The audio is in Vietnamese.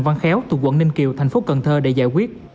văn khéo tù quận ninh kiều tp hcm để giải quyết